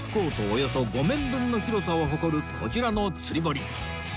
およそ５面分の広さを誇るこちらの釣り堀